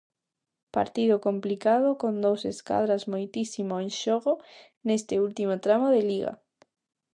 Partido complicado con dous escuadras moitísimo en xogo neste último tramo de liga.